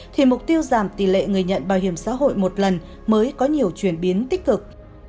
thì mục tiêu giảm tỷ lệ người nhận bảo hiểm xã hội một lần mới có nhiều chuyển biến tích cực